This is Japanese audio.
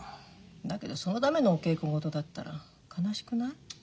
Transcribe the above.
だけどそのためのお稽古事だったら悲しくない？